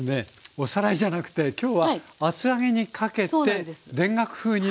おさらいじゃなくて今日は厚揚げにかけて田楽風にねするということですよね。